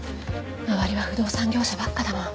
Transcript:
周りは不動産業者ばっかだもん。